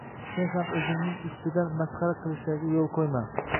sen ham o‘zingning ustidan masxara qilishlariga yo‘l qo‘yma!